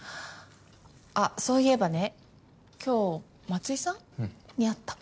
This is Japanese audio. あっそういえばね今日松井さん？に会った。